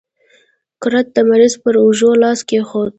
کرت د مریض پر اوږو لاس کېښود.